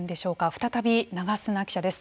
再び長砂記者です。